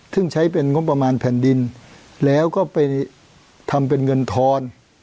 ซึ่งใช้เป็นงบประมาณแผ่นดินแล้วก็ไปทำเป็นเงินทอน